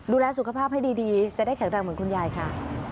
ดูแลสุขภาพให้ดีจะได้แข็งแรงเหมือนคุณยายค่ะ